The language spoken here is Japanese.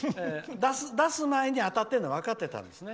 出す前に当たってるの分かってたんですね。